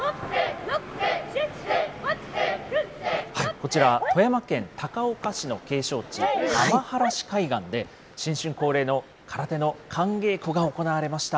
こちら、富山県高岡市の景勝地、雨晴海岸で、新春恒例の空手の寒稽古が行われました。